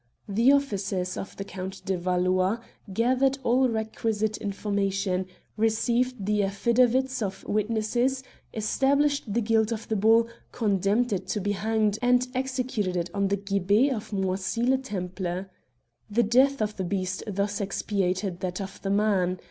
The officers of the Count de Valois gathered all requisite infor mation, received the affidavits of witnesses, established the guilt of the bull, condemned it to be hanged, and executed it on the gibbet of Moisy le Temple. The death of the beast thus expiated that of the man.